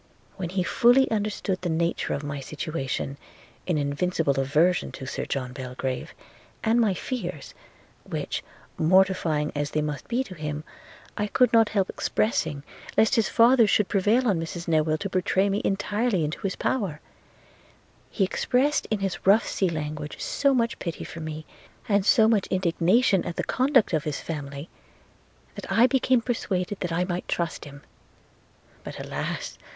When he fully understood the nature of my situation, in invincible aversion to Sir John Belgrave, and my fears, which, mortifying as they must be to him, I could not help expressing, lest his father should prevail on Mrs Newill to betray me entirely into his power – he expressed in his rough sea language so much pity for me, and so much indignation at the conduct of his family, that I became persuaded I might trust him. But, alas!